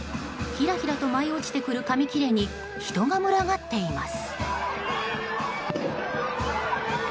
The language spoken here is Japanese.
ひらひらと舞い落ちてくる紙切れに人が群がっています。